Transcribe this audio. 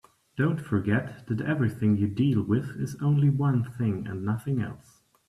Don't forget that everything you deal with is only one thing and nothing else.